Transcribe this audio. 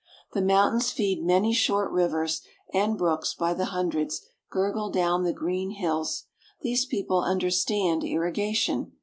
The mountains feed many short rivers, and brooks by the hundreds gurgle down the green hills. These people understand irrigation.